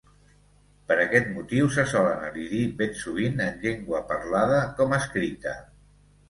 Per aquest motiu se solen elidir ben sovint, en llengua parlada com escrita.